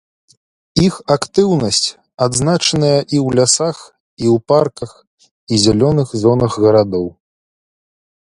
Іх актыўнасць адзначаная і ў лясах, і ў парках і зялёных зонах гарадоў.